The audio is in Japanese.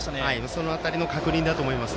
その辺りの確認だと思います。